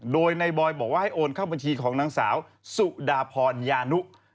โดยนายบอยบอกว่าให้โอนเข้าบัญชีของนางสาวสุดาพรยานุ